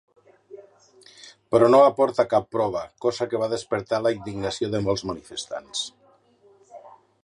Però no aportà cap prova, cosa que va despertar la indignació de molts manifestants.